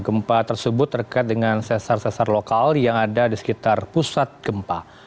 gempa tersebut terkait dengan sesar sesar lokal yang ada di sekitar pusat gempa